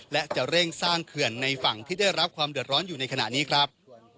และจะเร่งสร้างเขื่อนในฝั่งที่ได้รับความเดือดร้อนอยู่ในขณะนี้ครับ